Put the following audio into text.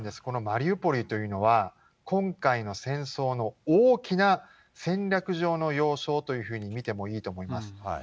このマリウポリというのは、今回の戦争の大きな戦略上の要衝というふうに見てもいいと思います。